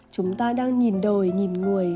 chúng ta đang nhìn đời nhìn người